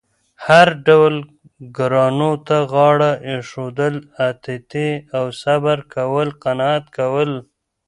هر ډول ګرانو ته غاړه اېښودل، اتیتې او صبر کول، قناعت کول